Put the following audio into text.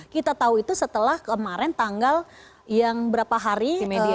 kita tahu itu setelah kemarin tanggal yang berapa hari media